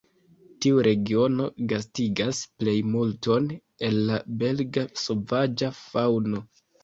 Tiu regiono gastigas plejmulton el la belga sovaĝa faŭno.